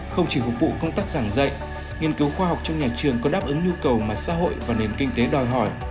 không chỉ phục vụ công tác giảng dạy nghiên cứu khoa học trong nhà trường có đáp ứng nhu cầu mà xã hội và nền kinh tế đòi hỏi